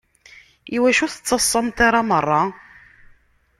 Iwacu ur tettaḍsamt ara merra?